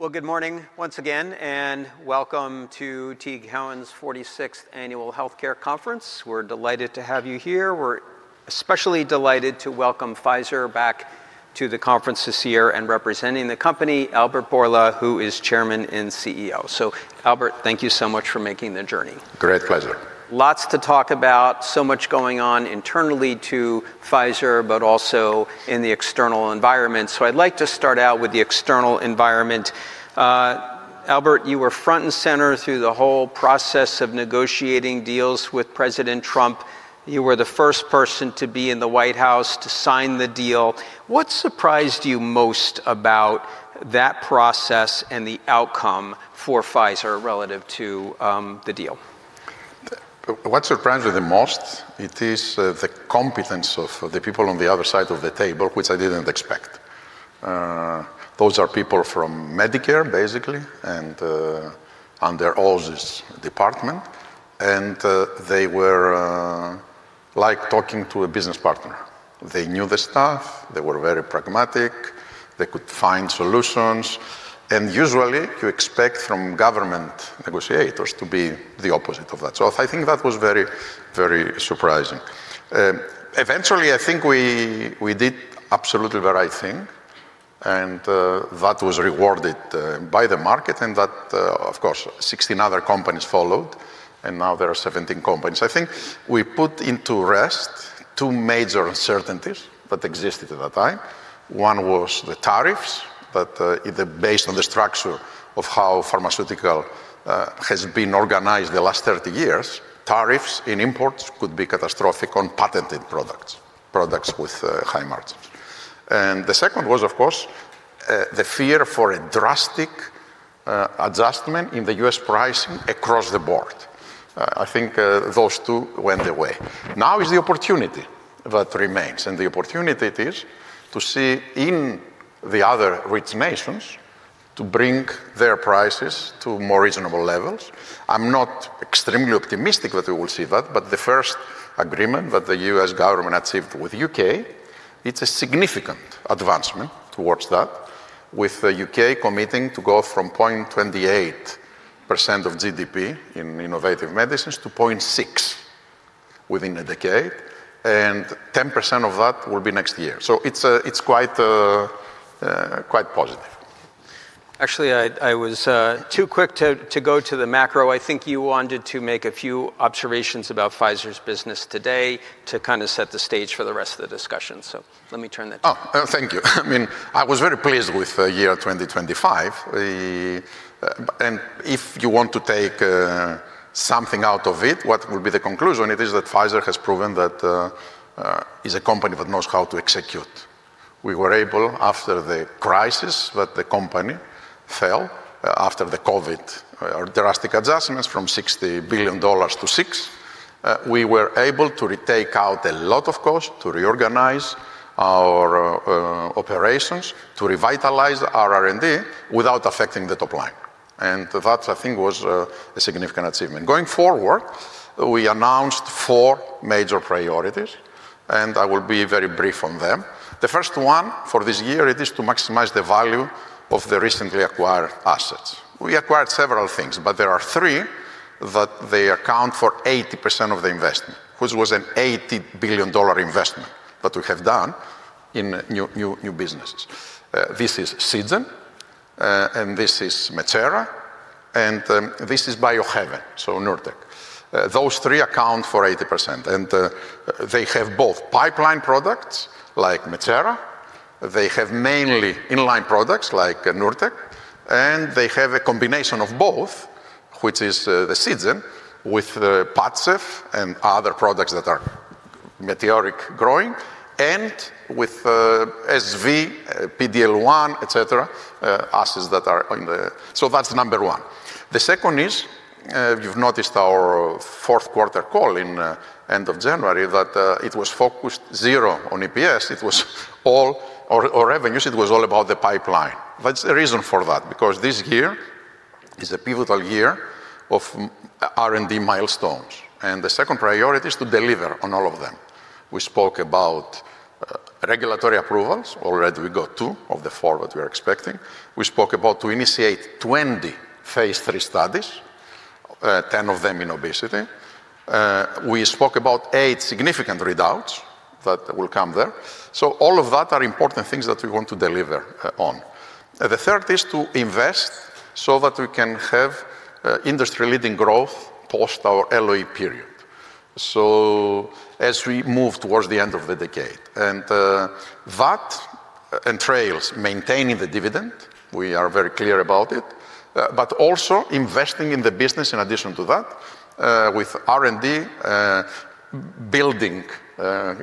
Well, good morning once again, welcome to TD Cowen's 46th Annual Healthcare Conference. We're delighted to have you here. We're especially delighted to welcome Pfizer back to the conference this year, representing the company, Albert Bourla, who is Chairman and CEO. Albert, thank you so much for making the journey. Great pleasure. Lots to talk about, much going on internally to Pfizer, but also in the external environment. I'd like to start out with the external environment. Albert, you were front and center through the whole process of negotiating deals with President Trump. You were the first person to be in the White House to sign the deal. What surprised you most about that process and the outcome for Pfizer relative to the deal? What surprised me the most, it is, the competence of the people on the other side of the table, which I didn't expect. Those are people from Medicare, basically, and under Oz's department. They were like talking to a business partner. They knew the stuff, they were very pragmatic, they could find solutions. Usually you expect from government negotiators to be the opposite of that. I think that was very surprising. Eventually, I think we did absolutely the right thing, and that was rewarded by the market and that, of course, 16 other companies followed, and now there are 17 companies. I think we put into rest two major uncertainties that existed at that time. One was the tariffs that, based on the structure of how pharmaceutical has been organized the last 30 years, tariffs and imports could be catastrophic on patented products with high margins. The second was, of course, the fear for a drastic adjustment in the U.S. pricing across the board. I think those two went away. Now is the opportunity that remains, and the opportunity it is to see in the other rich nations to bring their prices to more reasonable levels. I'm not extremely optimistic that we will see that, but the first agreement that the U.S. government achieved with U.K., it's a significant advancement towards that, with the U.K. committing to go from 0.28% of GDP in innovative medicines to 0.6% within a decade, and 10% of that will be next year. It's quite positive. Actually, I was too quick to go to the macro. I think you wanted to make a few observations about Pfizer's business today to kind of set the stage for the rest of the discussion. Let me turn it to you. Oh, thank you. I mean, I was very pleased with the year 2025. If you want to take, something out of it, what would be the conclusion? It is that Pfizer has proven that, is a company that knows how to execute. We were able, after the crisis that the company fell, after the COVID, drastic adjustments from $60 billion to $6 billion, we were able to retake out a lot of cost to reorganize our operations, to revitalize our R&D without affecting the top line. That, I think, was a significant achievement. Going forward, we announced four major priorities, and I will be very brief on them. The first one for this year it is to maximize the value of the recently acquired assets. We acquired several things, but there are three that they account for 80% of the investment, which was an $80 billion investment that we have done in new, new businesses. This is Seagen, and this is Becerra, and this is Biohaven, so Nurtec. Those three account for 80%. They have both pipeline products like Becerra, they have mainly inline products like Nurtec, and they have a combination of both, which is the Seagen with Padcev and other products that are meteoric growing and with SV, PD-L1, et cetera, assets that are on the. The second is, you've noticed our fourth quarter call in end of January that it was focused zero on EPS. It was all Or revenues. It was all about the pipeline. There's a reason for that, because this year is a pivotal year of R&D milestones. The second priority is to deliver on all of them. We spoke about regulatory approvals. Already we got two of the four that we are expecting. We spoke about to initiate 20 phase III studies, 10 of them in obesity. We spoke about eight significant readouts that will come there. All of that are important things that we want to deliver on. The third is to invest so that we can have industry-leading growth post our LOE period, so as we move towards the end of the decade. That entails maintaining the dividend, we are very clear about it, but also investing in the business in addition to that, with R&D, building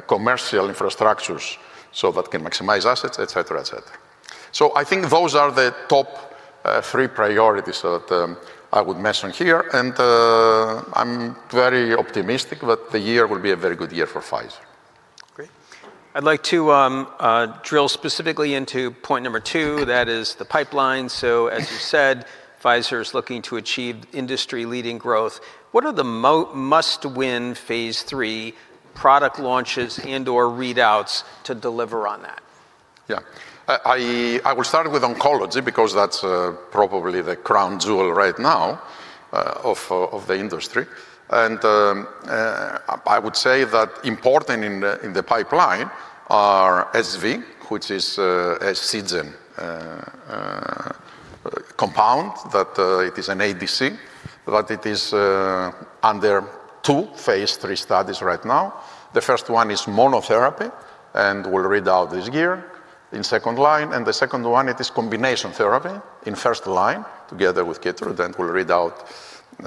commercial infrastructures so that can maximize assets, et cetera, et cetera. I think those are the top three priorities that I would mention here. I'm very optimistic that the year will be a very good year for Pfizer. Great. I'd like to drill specifically into point number two, that is the pipeline. As you said, Pfizer is looking to achieve industry-leading growth. What are the must win phase III product launches and or readouts to deliver on that? Yeah. I will start with oncology because that's probably the crown jewel right now of the industry. I would say that important in the pipeline are SV, which is a Seagen compound that it is an ADC, but it is under two phase III studies right now. The first one is monotherapy, we'll read out this year in second line. The second one, it is combination therapy in first line together with Keytruda, we'll read out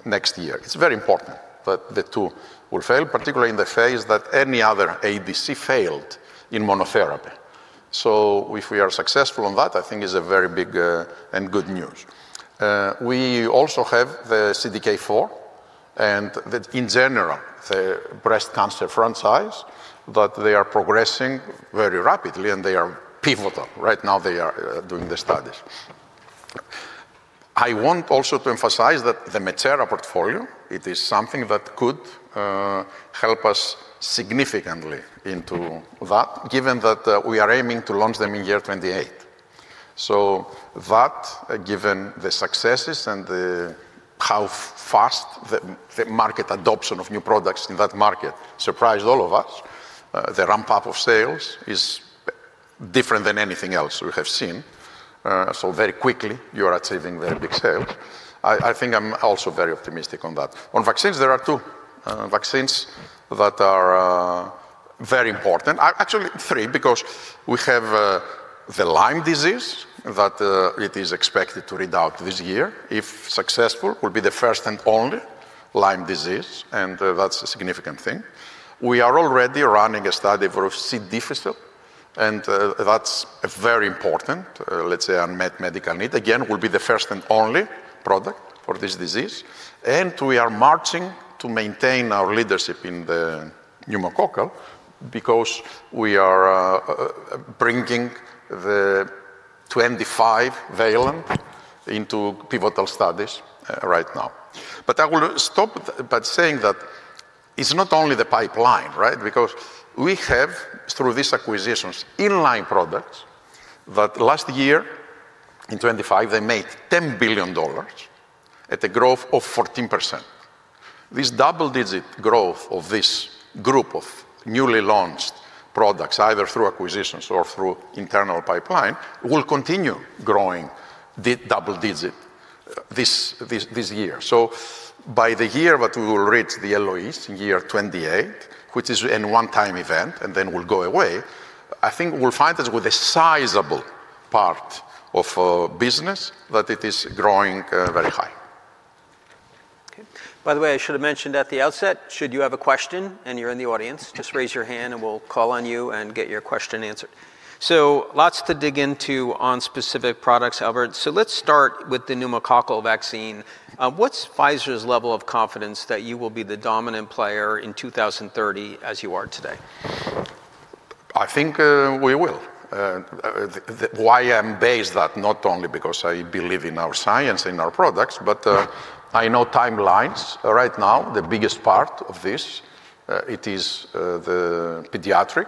next year. It's very important that the two will fail, particularly in the phase that any other ADC failed in monotherapy. If we are successful on that, I think is a very big good news. We also have the CDK4 and the-- In general, the breast cancer front size, but they are progressing very rapidly and they are pivotal. Right now, they are doing the studies. I want also to emphasize that the Mirati portfolio, it is something that could help us significantly into that, given that we are aiming to launch them in year 2028. Given the successes and the how fast the market adoption of new products in that market surprised all of us. The ramp up of sales is different than anything else we have seen. Very quickly you are achieving very big sales. I think I'm also very optimistic on that. On vaccines, there are two vaccines that are very important. Actually three, because we have the Lyme disease that it is expected to read out this year. If successful, will be the first and only Lyme disease, and that's a significant thing. We are already running a study for C. difficile, and that's a very important, let's say unmet medical need. Again, will be the first and only product for this disease. We are marching to maintain our leadership in the pneumococcal because we are bringing the 25-valent into pivotal studies right now. I will stop by saying that it's not only the pipeline, right? We have, through these acquisitions, in-line products that last year in 2025 they made $10 billion at a growth of 14%. This double-digit growth of this group of newly launched products, either through acquisitions or through internal pipeline, will continue growing the double digit this year. By the year that we will reach the LOE, year 2028, which is an one-time event and then will go away, I think we'll find this with a sizable part of business that it is growing very high. Okay. By the way, I should have mentioned at the outset, should you have a question and you're in the audience. Just raise your hand and we'll call on you and get your question answered. Lots to dig into on specific products, Albert. Let's start with the pneumococcal vaccine. What's Pfizer's level of confidence that you will be the dominant player in 2030 as you are today? I think, we will. The why I base that not only because I believe in our science and our products, but I know timelines. Right now, the biggest part of this, it is the pediatric.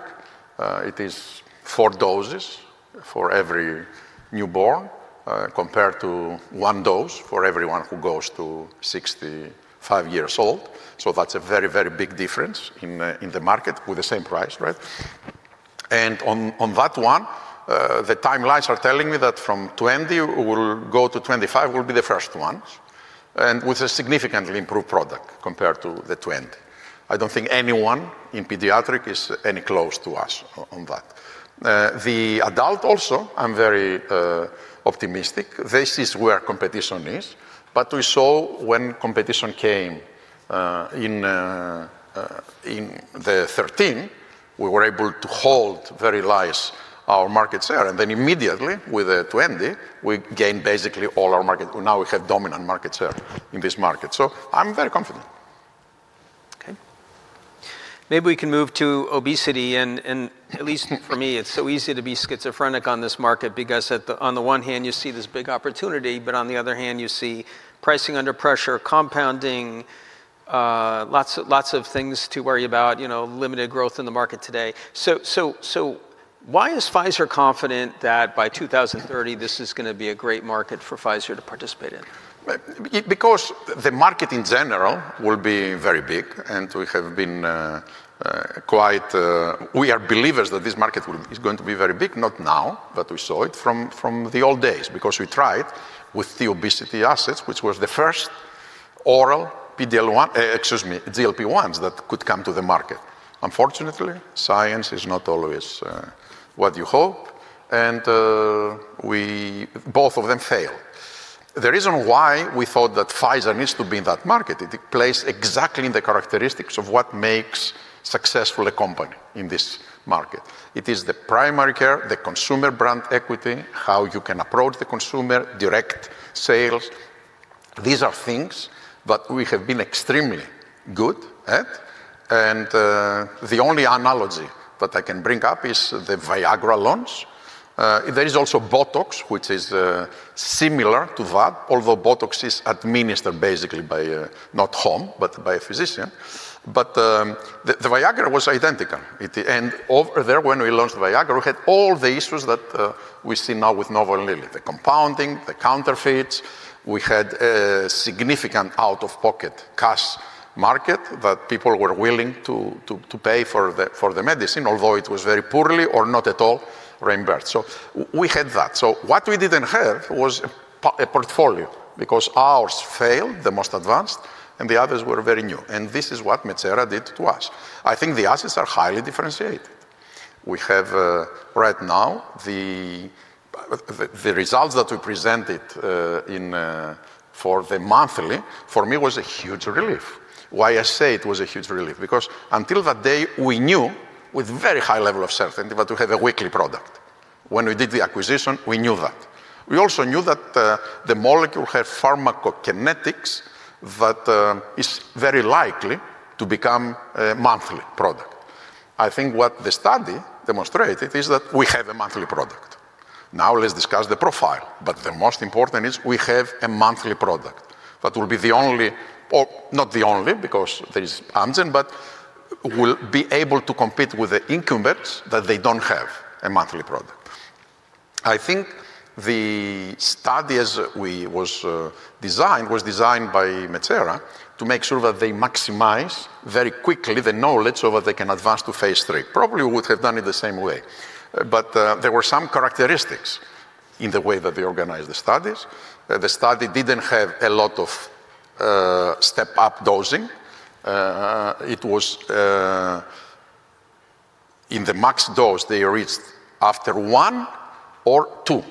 It is four doses for every newborn, compared to one dose for everyone who goes to 65 years old. That's a very, very big difference in the market with the same price, right? On that one, the timelines are telling me that from 2020 we'll go to 2025 will be the first ones, and with a significantly improved product compared to the 2020. I don't think anyone in pediatric is any close to us on that. The adult also, I'm very optimistic. This is where competition is. We saw when competition came in the 2013, we were able to hold very lies our market share. Immediately with the 2020, we gained basically all our market. We have dominant market share in this market. I'm very confident. Okay. Maybe we can move to obesity and at least for me, it's so easy to be schizophrenic on this market because on the one hand you see this big opportunity, but on the other hand you see pricing under pressure, compounding, lots of things to worry about, you know, limited growth in the market today. Why is Pfizer confident that by 2030 this is gonna be a great market for Pfizer to participate in? Because the market in general will be very big, and we have been quite-- we are believers that this market will, is going to be very big. Not now, but we saw it from the old days because we tried with the obesity assets, which was the first oral PD-L1-- excuse me, GLP-1s that could come to the market. Unfortunately, science is not always what you hope, and we both of them fail. The reason why we thought that Pfizer needs to be in that market, it plays exactly in the characteristics of what makes successful a company in this market. It is the primary care, the consumer brand equity, how you can approach the consumer, direct sales. These are things that we have been extremely good at. The only analogy that I can bring up is the Viagra launch. There is also Botox, which is similar to that. Although Botox is administered basically by not home, but by a physician. The Viagra was identical. At the end, over there, when we launched Viagra, we had all the issues that we see now with Novo Nordisk. The compounding, the counterfeits. We had a significant out-of-pocket cash market that people were willing to pay for the medicine, although it was very poorly or not at all reimbursed. We had that. What we didn't have was a portfolio because ours failed, the most advanced, and the others were very new. This is what Mounjaro did to us. I think the assets are highly differentiated. We have right now the results that we presented in for the monthly, for me was a huge relief. Why I say it was a huge relief, because until that day, we knew with very high level of certainty that we have a weekly product. When we did the acquisition, we knew that. We also knew that the molecule had pharmacokinetics that is very likely to become a monthly product. I think what the study demonstrated is that we have a monthly product. Now let's discuss the profile. The most important is we have a monthly product that will be the only. Or not the only, because there is Amgen, but will be able to compete with the incumbents that they don't have a monthly product. I think the study as we was designed, was designed by Mounjaro to make sure that they maximize very quickly the knowledge so that they can advance to phase III. Probably would have done it the same way. There were some characteristics in the way that they organized the studies. The study didn't have a lot of step-up dosing. It was in the max dose they reached after one or two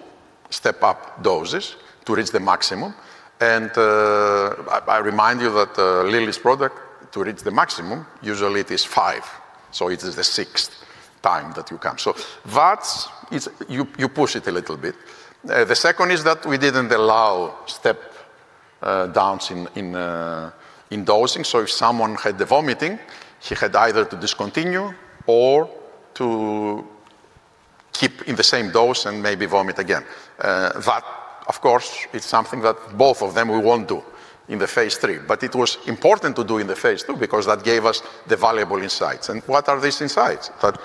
step-up doses to reach the maximum. I remind you that Lilly's product, to reach the maximum, usually it is five, so it is the sixth time that you come. You push it a little bit. The second is that we didn't allow step downs in dosing. If someone had the vomiting, he had either to discontinue or to keep in the same dose and maybe vomit again. That of course is something that both of them will want to in the phase III. It was important to do in the phase II because that gave us the valuable insights. What are these insights? That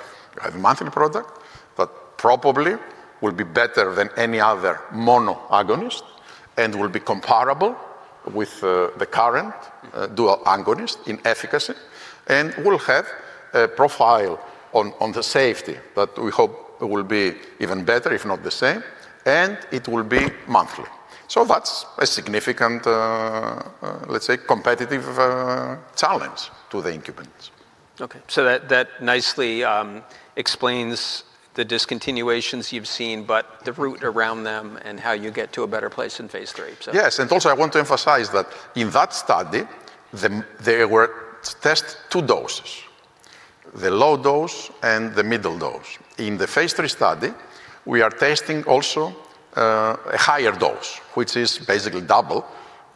a monthly product that probably will be better than any other mono agonist and will be comparable with the current dual agonist in efficacy, and will have a profile on the safety that we hope will be even better, if not the same, and it will be monthly. That's a significant, let's say, competitive challenge to the incumbents. Okay. That nicely explains the discontinuations you've seen, but the route around them and how you get to a better place in phase III. Yes. Also I want to emphasize that in that study, they were test two doses, the low dose and the middle dose. In the phase III study, we are testing also, a higher dose, which is basically double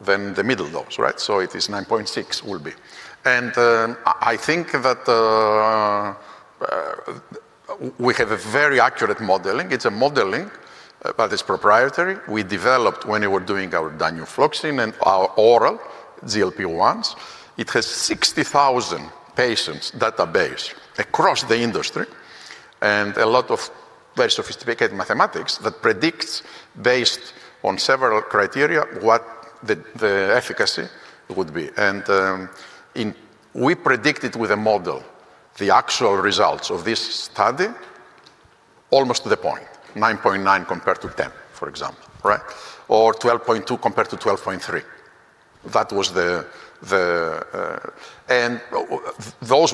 than the middle dose, right? So it is 9.6 will be. I think that we have a very accurate modeling. It's a modeling, but it's proprietary. We developed when we were doing our danofloxacin and our oral GLP-1s. It has 60,000 patients database across the industry and a lot of very sophisticated mathematics that predicts based on several criteria what the efficacy would be. We predicted with a model the actual results of this study almost to the point, 9.9 compared to 10, for example, right? 12.2 compared to 12.3. That was the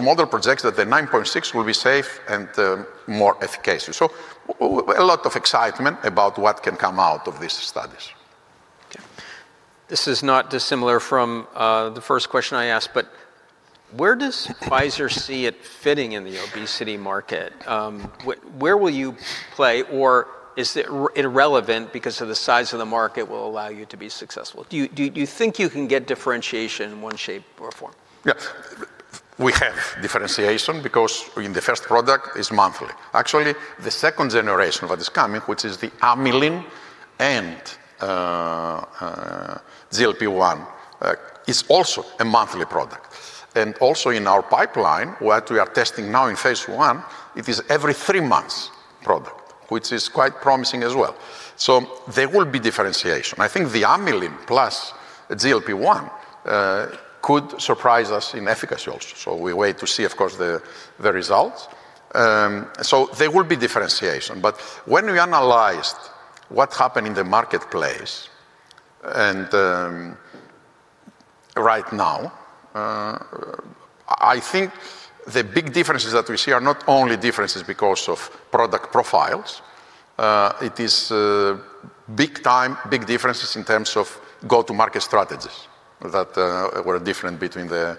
model projects that the 9.6 will be safe and more efficacious. A lot of excitement about what can come out of these studies. Okay. This is not dissimilar from the first question I asked, where does Pfizer see it fitting in the obesity market? Where will you play or is it irrelevant because of the size of the market will allow you to be successful? Do you think you can get differentiation in one shape or form? We have differentiation because, I mean, the first product is monthly. Actually, the second generation that is coming, which is the amylin and GLP-1, is also a monthly product. In our pipeline, what we are testing now in phase I, it is every three months product, which is quite promising as well. There will be differentiation. I think the amylin plus GLP-1 could surprise us in efficacy also. We wait to see, of course, the results. There will be differentiation. When we analyzed what happened in the marketplace, and right now, I think the big differences that we see are not only differences because of product profiles. It is big time, big differences in terms of go-to-market strategies that were different between the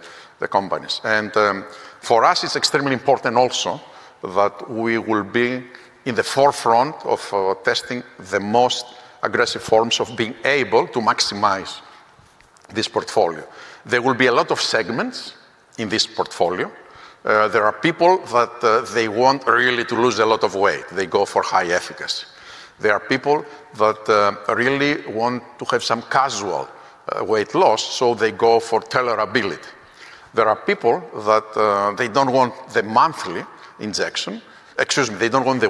companies. For us it's extremely important also that we will be in the forefront of testing the most aggressive forms of being able to maximize this portfolio. There will be a lot of segments in this portfolio. There are people that they want really to lose a lot of weight. They go for high efficacy. There are people that really want to have some casual weight loss, so they go for tolerability. There are people that they don't want the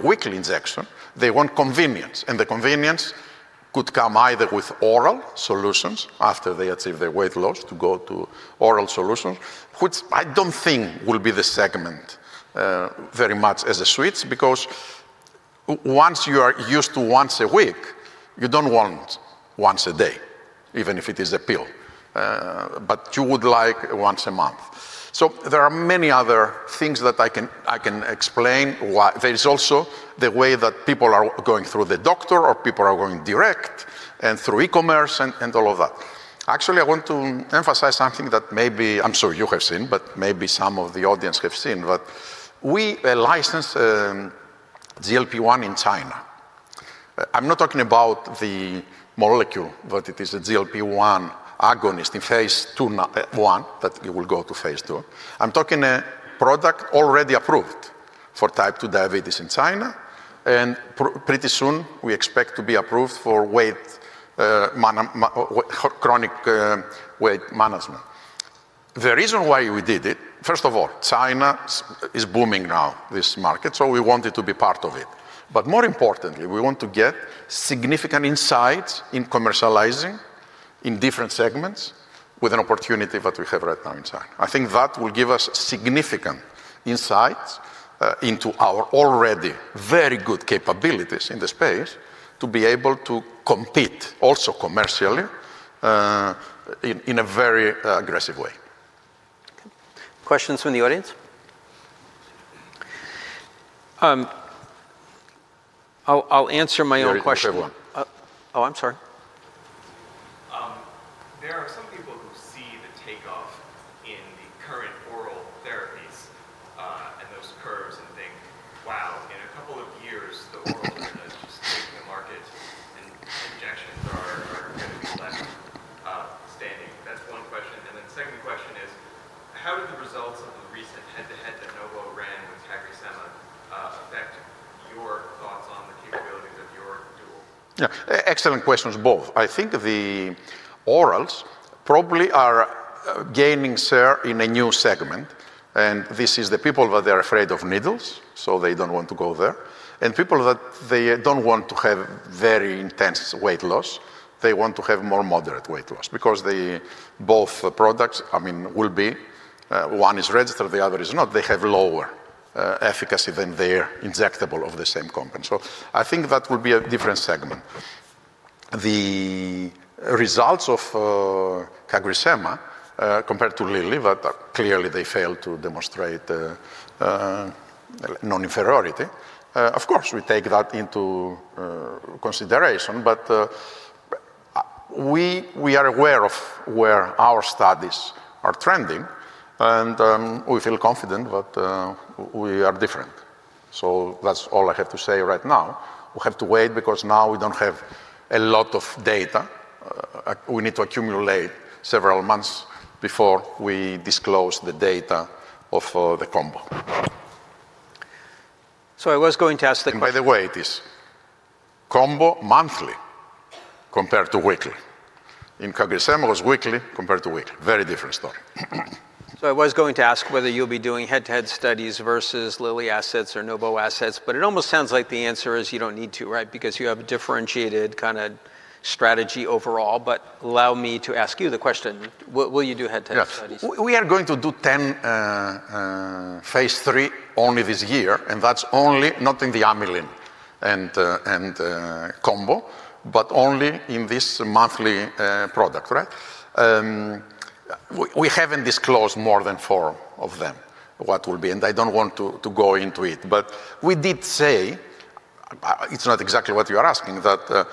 weekly injection, they want convenience. The convenience could come either with oral solutions after they achieve their weight loss to go to oral solutions, which I don't think will be the segment, very much as a switch because once you are used to once a week, you don't want once a day, even if it is a pill. You would like once a month. There are many other things that I can explain why. There is also the way that people are going through the doctor or people are going direct and through e-commerce and all of that. Actually, I want to emphasize something that maybe-- I'm sure you have seen, but maybe some of the audience have seen. We licensed GLP-1 in China. I'm not talking about the molecule, but it is a GLP-1 agonist in phase I, that it will go to phase II. I'm talking a product already approved for type 2 diabetes in China, and pretty soon we expect to be approved for chronic weight management. The reason why we did it, first of all, China is booming now, this market, so we wanted to be part of it. More importantly, we want to get significant insights in commercializing in different segments with an opportunity that we have right now in China. I think that will give us significant insights into our already very good capabilities in the space to be able to compete also commercially in a very aggressive way. Questions from the audience? I'll answer my own question. You have the privilege. Oh, I'm sorry. There are some people who see the takeoff in the current oral therapies, and those curves and think, "Wow, in a couple of years, the oral therapies just taking the market and injections are gonna be left standing." That's one question. Second question is: How do the results of the recent head-to-head that Novo ran with tirzepatide, affect your thoughts on the capabilities of your dual? Yeah. Excellent questions, both. I think the orals probably are gaining share in a new segment. This is the people that they're afraid of needles, so they don't want to go there, and people that they don't want to have very intense weight loss. They want to have more moderate weight loss because both products, I mean, will be one is registered, the other is not. They have lower efficacy than their injectable of the same company. I think that will be a different segment. The results of CagriSema compared to Lilly, clearly they failed to demonstrate non-inferiority. Of course, we take that into consideration. We are aware of where our studies are trending and we feel confident that we are different. That's all I have to say right now. We have to wait because now we don't have a lot of data. We need to accumulate several months before we disclose the data of the combo. I was going to ask-- By the way, it is combo monthly compared to weekly. CagriSema was weekly compared to weekly. Very different story. I was going to ask whether you'll be doing head-to-head studies versus Lilly assets or Novo assets, but it almost sounds like the answer is you don't need to, right? Because you have a differentiated kind of strategy overall. Allow me to ask you the question. Will you do head-to-head studies? Yeah. We are going to do 10 phase III only this year, and that's only-- not in the amylin and combo, but only in this monthly product, right? We haven't disclosed more than four of them, what will be, and I don't want to go into it. We did say, it's not exactly what you are asking, that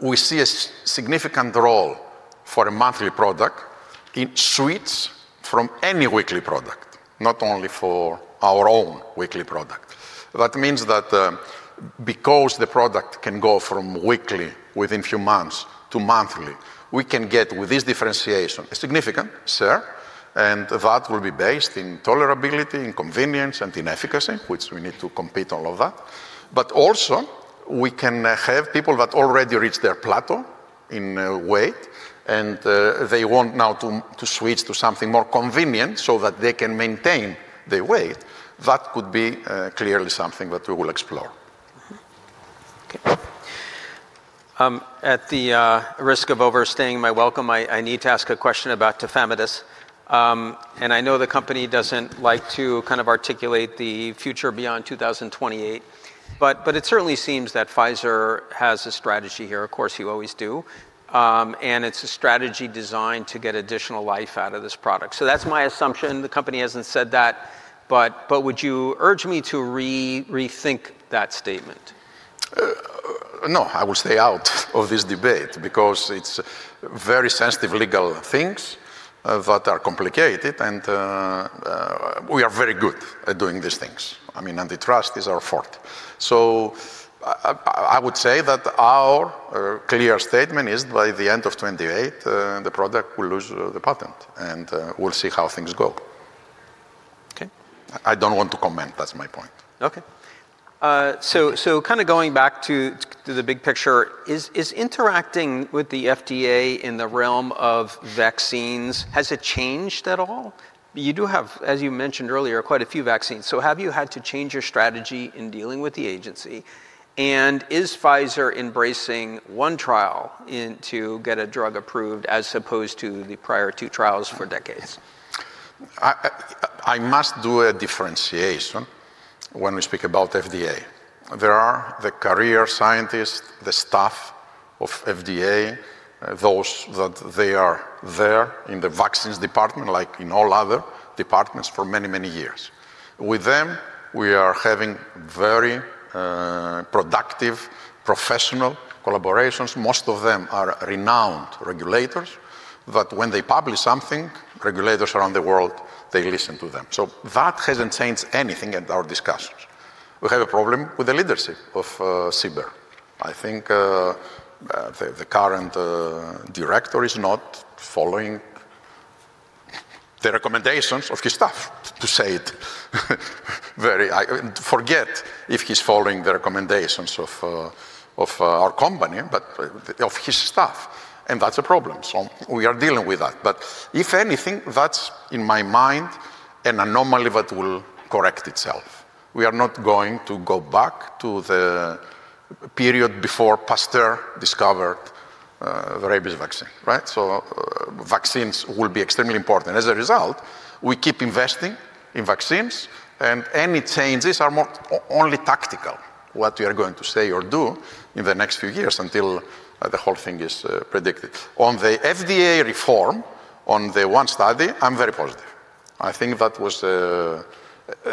we see a significant role for a monthly product in switch from any weekly product, not only for our own weekly product. That means that, because the product can go from weekly within few months to monthly, we can get, with this differentiation, a significant share, and that will be based in tolerability and convenience and in efficacy, which we need to compete all of that. Also we can have people that already reached their plateau in weight and they want now to switch to something more convenient so that they can maintain their weight. That could be clearly something that we will explore. Okay. At the risk of overstaying my welcome, I need to ask a question about tafamidis. I know the company doesn't like to kind of articulate the future beyond 2028, but it certainly seems that Pfizer has a strategy here. Of course, you always do. It's a strategy designed to get additional life out of this product. That's my assumption. The company hasn't said that, but would you urge me to rethink that statement? No, I will stay out of this debate because it's very sensitive legal things that are complicated, and we are very good at doing these things. I mean, antitrust is our fault. I would say that our clear statement is by the end of 2028, the product will lose the patent, and we'll see how things go. I don't want to comment. That's my point. Okay. Kind of going back to the big picture, is interacting with the FDA in the realm of vaccines, has it changed at all? You do have, as you mentioned earlier, quite a few vaccines. Have you had to change your strategy in dealing with the agency? Is Pfizer embracing one trial in to get a drug approved as opposed to the prior two trials for decades? I must do a differentiation when we speak about FDA. There are the career scientists, the staff of FDA, those that they are there in the vaccines department, like in all other departments for many, many years. With them, we are having very productive professional collaborations. Most of them are renowned regulators, that when they publish something, regulators around the world, they listen to them. That hasn't changed anything in our discussions. We have a problem with the leadership of CBER. I think the current director is not following the recommendations of his staff, to say it very high. Forget if he's following the recommendations of our company, but of his staff, and that's a problem. We are dealing with that. If anything, that's in my mind an anomaly that will correct itself. We are not going to go back to the period before Pasteur discovered the rabies vaccine, right? Vaccines will be extremely important. As a result, we keep investing in vaccines. Any changes are only tactical, what we are going to say or do in the next few years until the whole thing is predicted. On the FDA reform, on the one study, I'm very positive. I think that was a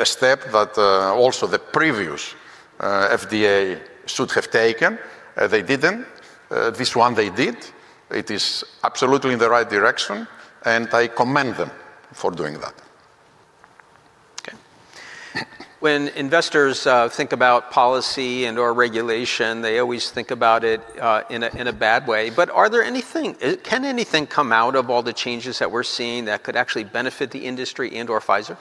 step that also the previous FDA should have taken. They didn't. This one they did. It is absolutely in the right direction, and I commend them for doing that. Okay. When investors think about policy and/or regulation, they always think about it in a bad way. Can anything come out of all the changes that we're seeing that could actually benefit the industry and/or Pfizer?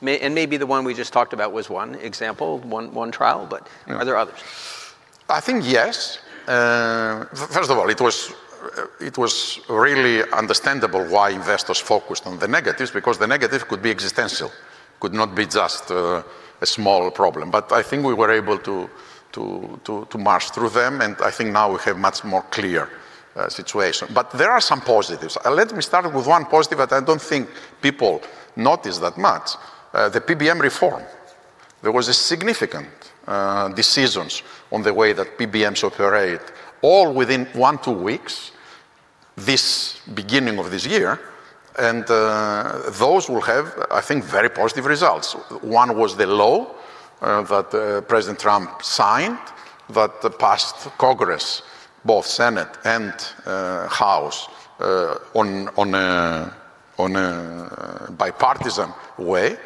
Maybe the one we just talked about was one example, one trial, but are there others? I think yes. First of all, it was really understandable why investors focused on the negatives because the negative could be existential, could not be just a small problem. I think we were able to march through them, and I think now we have much more clear situation. There are some positives. Let me start with one positive that I don't think people notice that much. The PBM reform. There was a significant decisions on the way that PBMs operate, all within one, two weeks this beginning of this year. Those will have, I think, very positive results. One was the law that President Trump signed that passed Congress, both Senate and House, on a bipartisan way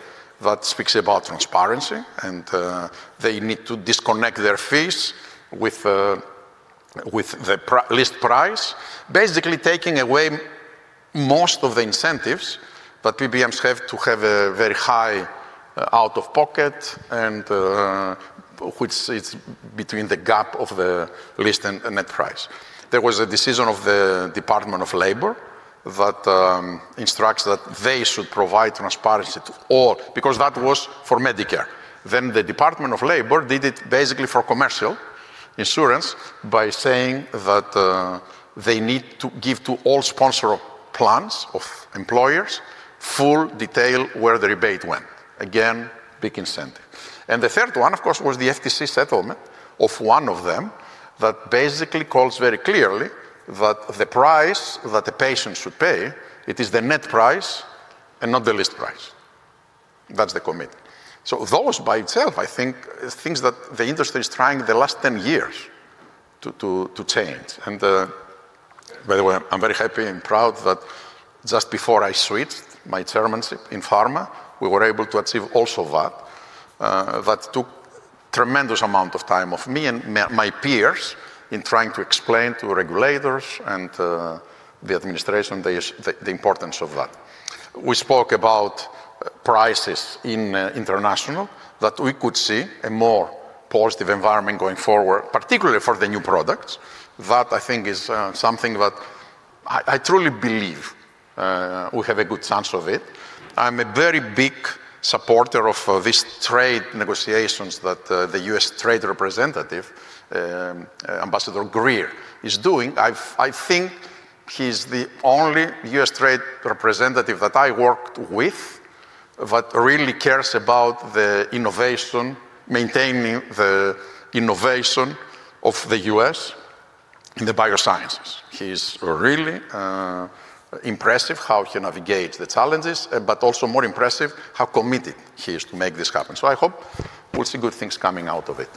that speaks about transparency and they need to disconnect their fees with the list price. Basically taking away most of the incentives that PBMs have to have a very high out-of-pocket and which is between the gap of the list and net price. There was a decision of the Department of Labor that instructs that they should provide transparency to all because that was for Medicare. The Department of Labor did it basically for commercial insurance by saying that they need to give to all sponsor of plans, of employers, full detail where the rebate went. Again, big incentive. The third one, of course, was the FTC settlement of one of them that basically calls very clearly that the price that the patient should pay, it is the net price and not the list price. That's the commitment. Those by itself, I think, things that the industry is trying the last 10 years to change. By the way, I'm very happy and proud that just before I switched my chairmanship in PhRMA, we were able to achieve also that. That took tremendous amount of time of me and my peers in trying to explain to regulators and the administration the importance of that. We spoke about prices in international, that we could see a more positive environment going forward, particularly for the new products. That I think is something that I truly believe, we have a good chance of it. I'm a very big supporter of this trade negotiations that the U.S. trade representative, Katherine Tai, is doing. I think he's the only U.S. trade representative that I worked with that really cares about the innovation, maintaining the innovation of the U.S. In the biosciences. He's really impressive how he navigate the challenges, but also more impressive how committed he is to make this happen. I hope we'll see good things coming out of it.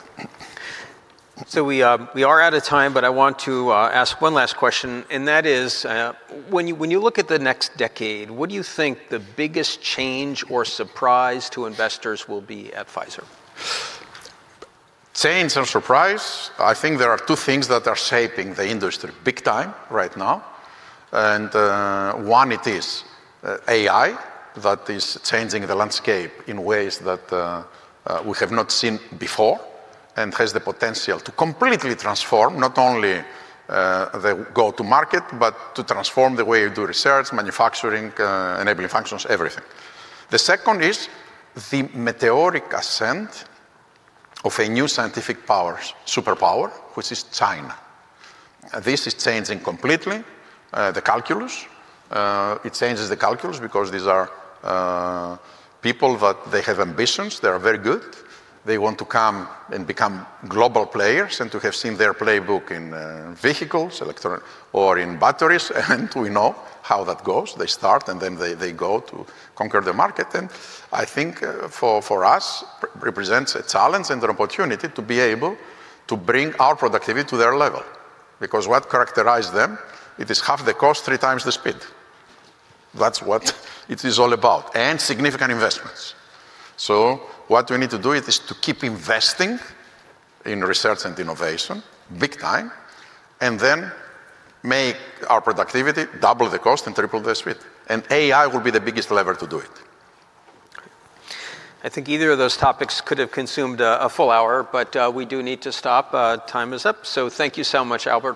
We are out of time, but I want to ask one last question, and that is, when you look at the next decade, what do you think the biggest change or surprise to investors will be at Pfizer? Change or surprise, I think there are two things that are shaping the industry big time right now, One it is AI that is changing the landscape in ways that we have not seen before, and has the potential to completely transform not only the go-to-market, but to transform the way we do research, manufacturing, enabling functions, everything. The second is the meteoric ascent of a new scientific superpower, which is China. This is changing completely the calculus. It changes the calculus because these are people that they have ambitions. They are very good. They want to come and become global players, and to have seen their playbook in vehicles or in batteries, We know how that goes. They start, and then they go to conquer the market. I think, for us, represents a challenge and an opportunity to be able to bring our productivity to their level. What characterize them, it is half the cost, three times the speed. That's what it is all about, and significant investments. What we need to do is to keep investing in research and innovation big time, then make our productivity double the cost and triple the speed, AI will be the biggest lever to do it. I think either of those topics could have consumed a full hour, but, we do need to stop. Time is up. Thank you so much, Albert